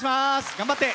頑張って！